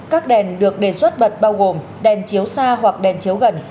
các đèn được đề xuất bật bao gồm đèn chiếu xa hoặc đèn chiếu gần